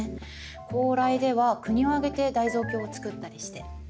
高麗では国を挙げて大蔵経を作ったりして。